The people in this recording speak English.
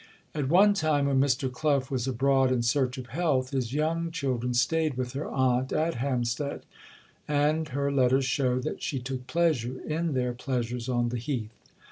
At one time, when Mr. Clough was abroad in search of health, his young children stayed with their aunt at Hampstead, and her letters show that she took pleasure in their pleasures on the Heath.